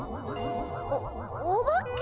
おお化け？